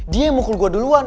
dia yang mukul gue duluan